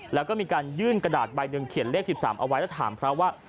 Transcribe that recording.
แล้วก็มีการยื่นกระดาษใบหนึ่งเขียนเลข๑๓เอาไว้แล้วถามพระว่า